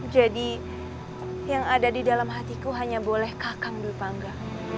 jadi yang ada di dalam hatiku hanya boleh kakang kakang pangga